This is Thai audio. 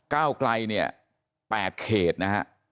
ก้าวไกลเนี่ย๘เขตนะฮะ